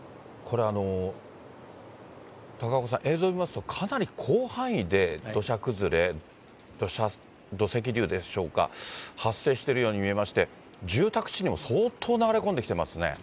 高岡さん、映像見ますと、かなり広範囲で土砂崩れ、土石流でしょうか、発生してるように見えまして、住宅地にも相当流れ込んできていますね。